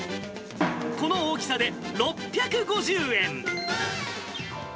この大きさで６５０円。